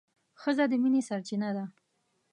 ښځه د مينې سرچينه ده